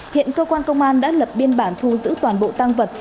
hiện cơ quan công an đã lập biên bản thu giữ toàn bộ tăng vật